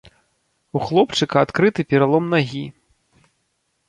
У хлопчыка адкрыты пералом нагі.